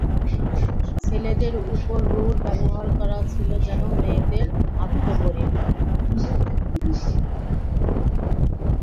ছেলেদের উপর রূঢ় ব্যবহার করা ছিল যেন মেয়েদের আত্মগরিমা।